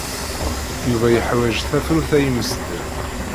Yuba yeḥwaj tafrut ay imesden.